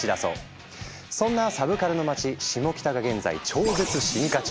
そんなサブカルの街シモキタが現在超絶進化中。